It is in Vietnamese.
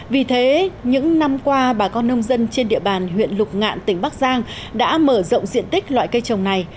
vì thế những năm qua bà con nông dân trên địa bàn huyện lục ngạn tỉnh bắc giang đã mở rộng diện tích loại cây trồng này